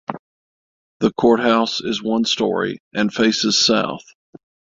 The courthouse is one story and faces south.